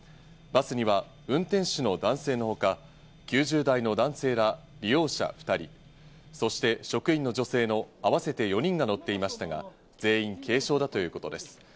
バスには運転手の男性のほか、９０代の男性ら利用者２人、そして職員の女性の合わせて４人が乗っていましたが、全員、軽傷だということです。